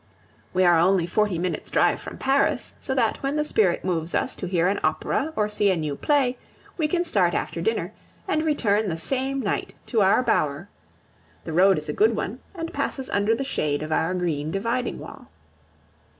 We are only forty minutes' drive from Paris; so that, when the spirit moves us to hear an opera or see a new play, we can start after dinner and return the same night to our bower. The road is a good one, and passes under the shade of our green dividing wall.